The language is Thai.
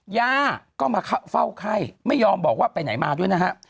ย่าก็มาเฝ้าไข้ไม่ยอมบอกว่าไปไหนมาด้วยนะฮะ